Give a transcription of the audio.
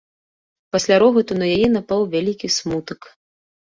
Пасля рогату на яе напаў вялікі смутак.